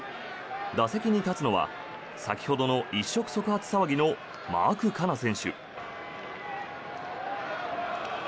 打席に立つのは先ほどの一触即発騒ぎのマーク・カナ選手。